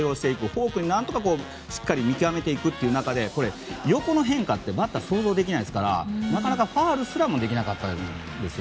フォークをしっかり見極めていくという中で横の変化ってバッターは想像できないですからなかなかファウルすらもできなかったんです。